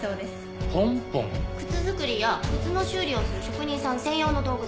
靴作りや靴の修理をする職人さん専用の道具です。